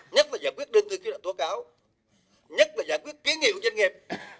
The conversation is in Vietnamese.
nhất là giải quyết đơn thư ký tổ cáo nhất là giải quyết kiến nghị của doanh nghiệp